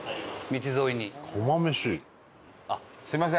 すみません。